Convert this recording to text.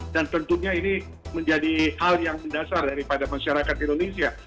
dan tentunya ini menjadi hal yang mendasar daripada masyarakat indonesia